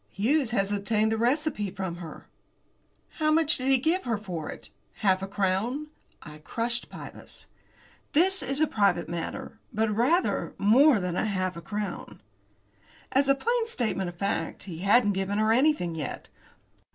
Hughes has obtained the receipt from her." "How much did he give her for it? Half a crown?" I crushed Pybus. "That is a private matter, but rather more than half a crown." As a plain statement of fact he hadn't given her anything as yet.